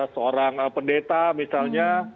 seorang pendeta misalnya